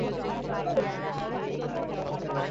তিনি যে হিন্দু, ইহাও উত্তম।